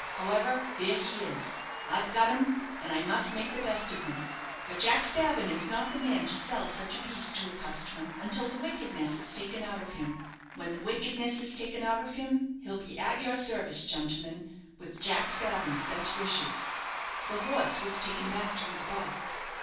However, there he is; I've got him, and I must make the best of him. But Jack Spavin is not the man to sell such a beast to a customer until the wickedness is taken out of him. When the wickedness is taken out of him, he'll be at your service, gentlemen, with Jack Spavin's best wishes." The horse was taken back to his box.